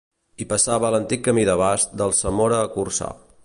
Hi passava l'antic camí de bast d'Alsamora a Corçà.